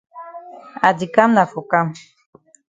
I di kam na for kam.